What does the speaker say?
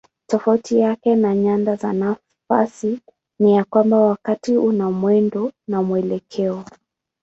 Tofauti yake na nyanda za nafasi ni ya kwamba wakati una mwendo na mwelekeo.